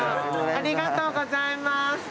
ありがとうございます。